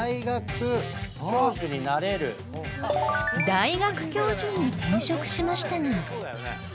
［大学教授に転職しましたが］